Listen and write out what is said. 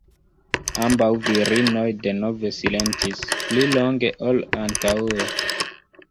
Ambaŭ virinoj denove silentis pli longe ol antaŭe.